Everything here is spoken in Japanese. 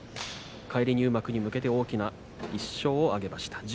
返り入幕に向けて大きな１勝を挙げました。